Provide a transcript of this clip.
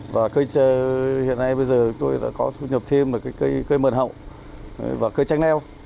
và cây chè hiện nay bây giờ tôi đã có nhập thêm cây mờn hậu và cây trang leo